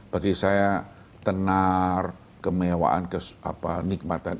bagi saya tenar kemewaan kenikmatan